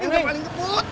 tuh sini neng